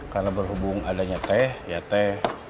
karena berhubung adanya teh ya teh